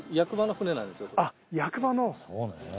あっ役場の？